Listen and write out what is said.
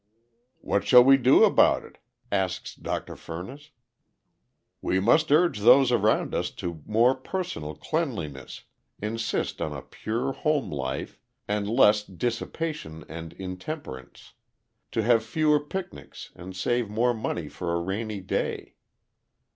"What shall we do about it?" asks Dr. Furniss. "We must urge those around us to more personal cleanliness, insist on a pure home life, and less dissipation and intemperance: to have fewer picnics and save more money for a rainy day.